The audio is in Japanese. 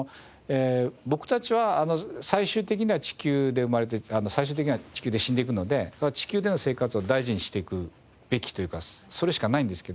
僕たちは最終的には地球で生まれて最終的には地球で死んでいくので地球での生活を大事にしていくべきというかそれしかないんですけど。